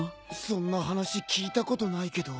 そんな話聞いたことないけど。